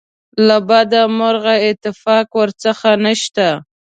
له بده مرغه اتفاق ورڅخه نشته.